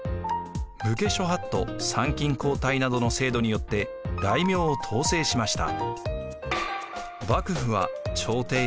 武家諸法度参勤交代などの制度によって大名を統制しました。